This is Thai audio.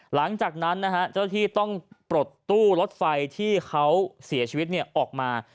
หลังจากนั้นนะฮะเจ้าที่ต้องปลดตู้รถไฟที่เขาเสียชีวิตออกมา